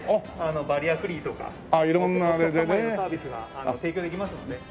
バリアフリーとかお客様へのサービスが提供できますので。